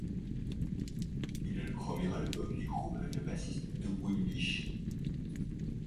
Il est le premier album du groupe avec le bassiste Doug Wimbish.